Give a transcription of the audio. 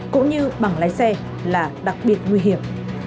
cũng như bằng lái xe là đặc biệt nguy hiểm